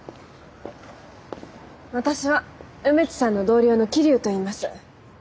私は梅津さんの同僚の桐生といいます。